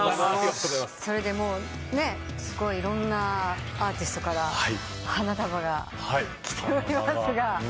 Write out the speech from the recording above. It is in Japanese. それでいろんなアーティストから花束が来ておりますが。